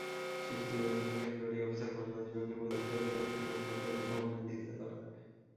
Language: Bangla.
শিশু দিবাযত্ন কেন্দ্রটির অবস্থান বাংলাদেশ ব্যাংকের প্রধান কার্যালয়-সংলগ্ন প্রথম ভবনের দ্বিতীয় তলায়।